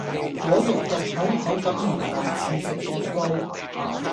果肉入口口感棉滑似食雪糕